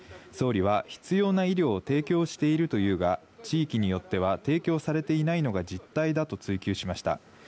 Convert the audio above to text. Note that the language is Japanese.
総理は必要な医療を提供しているというが、地域によっては、提供されていないのが実態だと追及しました。